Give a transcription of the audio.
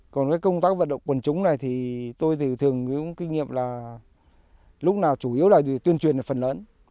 còn với công tác vận động quần chúng này thì tôi thường kinh nghiệm là lúc nào chủ yếu là tuyên truyền phần lớn